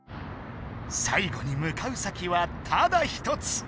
最後にむかう先はただ一つ。